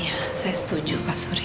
iya saya setuju pak surya